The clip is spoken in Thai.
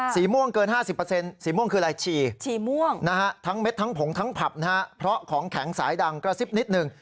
สีม่วงเกิน๕๐สีม่วงคืออะไรฉี่ฉี่ม่วงนะฮะทั้งเม็ดทั้งผงทั้งผับนะฮะเพราะของแข็งสายดังกระซิบนิดหนึ่ง